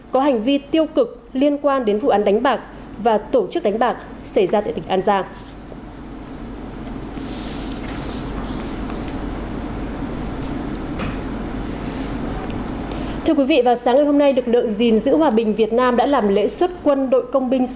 có hành vi tiêu cực liên quan đến vụ án đánh bạc và tổ chức đánh bạc xảy ra tại tỉnh an giang